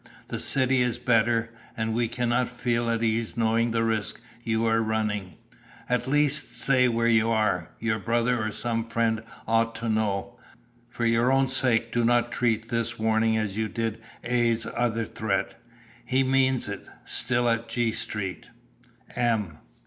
The city is better, and we cannot feel at ease knowing the risk you are running. At least stay where you are. Your brother or some friend ought to know. For your own sake do not treat this warning as you did A.'s other threat. He means it. Still at G. Street. "M."